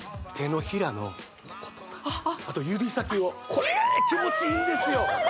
手のひらのこことかあと指先をこれ気持ちいいんですよ